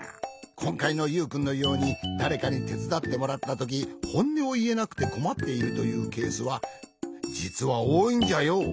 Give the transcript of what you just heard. こんかいのユウくんのようにだれかにてつだってもらったときほんねをいえなくてこまっているというケースはじつはおおいんじゃよ。